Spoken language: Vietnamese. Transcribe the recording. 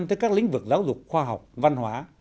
tới các lĩnh vực giáo dục khoa học văn hóa